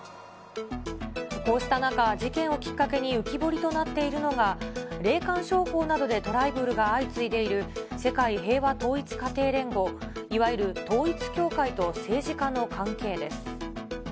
こうした中、事件をきっかけに浮き彫りとなっているのが、霊感商法などでトラブルが相次いでいる世界平和統一家庭連合、いわゆる統一教会と政治家の関係です。